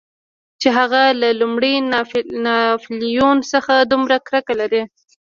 چې هغه له لومړي ناپلیون څخه دومره کرکه لري.